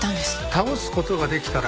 倒す事ができたら。